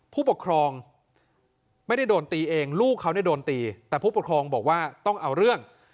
ผู้ปกครองไม่ได้โดนตีเองลูกเขาเนี่ยโดนตีแต่ผู้ปกครองบอกว่าต้องเอาเรื่อง